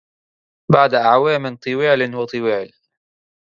بعد أعوام طوال وطوال